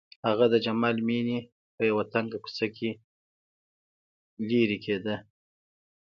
هغه د جمال مېنې په يوه تنګه کوڅه کې لېرې کېده.